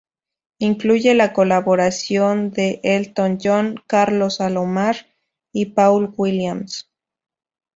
Incluye la colaboración de Elton John, Carlos Alomar, y Paul Williams.